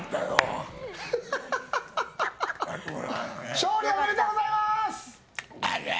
勝利おめでとうございます！